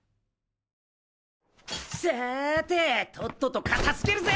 さあてとっとと片付けるぜ！